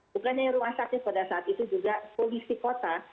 bukannya rumah sakit pada saat itu juga polisi kota